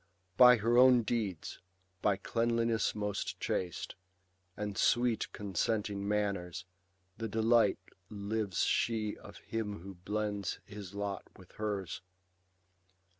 By her own deeds, hj cleanliness most chaste, Ajid sweet consenting manners, the delight Lives she of him who blends his lot with hers.